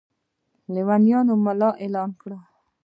لېونی ملا اعلان وکړ.